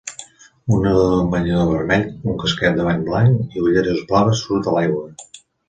Un nedador amb un banyador vermell, un casquet de bany blanc i ulleres blaves surt de l'aigua.